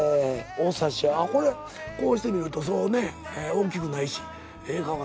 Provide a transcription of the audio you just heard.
これこうしてみるとそうね大きくないしええかも。